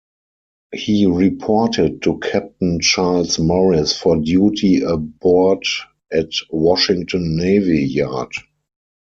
He reported to Captain Charles Morris for duty aboard at Washington Navy Yard.